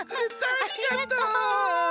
ありがとう！